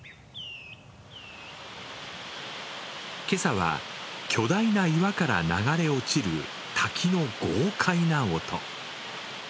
今朝は巨大な岩から流れ落ちる滝の豪快な音。